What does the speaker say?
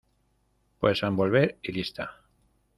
pues a envolver y lista.